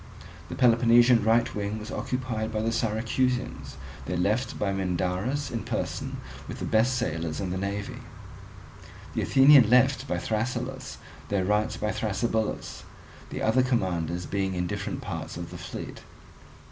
The Peloponnesian right wing was occupied by the Syracusans, their left by Mindarus in person with the best sailers in the navy; the Athenian left by Thrasyllus, their right by Thrasybulus, the other commanders being in different parts of the fleet.